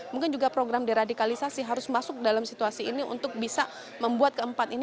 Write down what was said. mungkin juga program deradikalisasi harus masuk dalam situasi ini untuk bisa membuat keempat ini